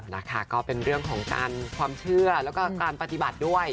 นะคะก็เป็นเรื่องของการความเชื่อแล้วก็การปฏิบัติด้วย